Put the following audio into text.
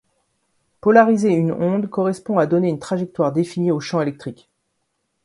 Polariser une onde correspond à donner une trajectoire définie au champ électrique.